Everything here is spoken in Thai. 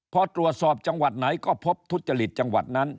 พอตรวจสอบจังหวัดไหนก็พบทุจริตจังหวัดนั้น